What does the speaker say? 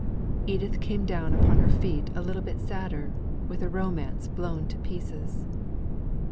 Edith came down upon her feet a little bit sadder; with a romance blown to pieces.